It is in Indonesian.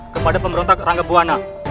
kepada pemberontak ranggabuana